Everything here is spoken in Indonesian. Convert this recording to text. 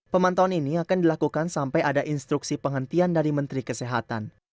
pemantauan ini akan dilakukan sampai ada instruksi penghentian dari menteri kesehatan